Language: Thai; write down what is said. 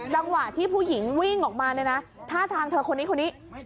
จังหวะที่ผู้หญิงวิ่งออกมาเนี่ยนะท่าทางเธอคนนี้คนนี้